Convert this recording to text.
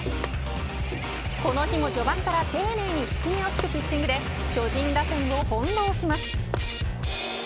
この日も序盤から丁寧に低めを突くピッチングで巨人打線を翻ろうします。